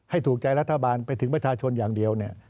ถูกใจรัฐบาลไปถึงประชาชนอย่างเดียว